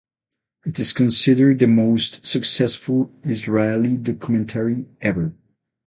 It is considered the most successful Israeli documentary ever.